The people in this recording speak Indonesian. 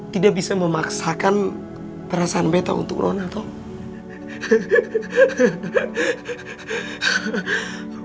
tidak bisa memaksakan perasaan betta untuk nona tau